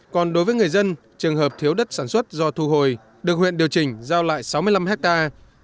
còn đối với người dân trường hợp thiếu đất sản xuất do thu hồi được huyện điều chỉnh giao lại sáu mươi năm hectare